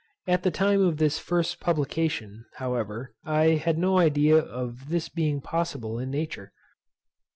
At the time of this first publication, however, I had no idea of this being possible in nature.